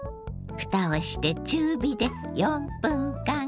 蓋をして中火で４分間。